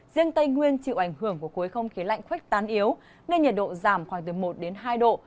riêng tây nguyên chịu ảnh hưởng của khối không khí lạnh khuếch tán yếu nên nhiệt độ giảm khoảng từ một đến hai độ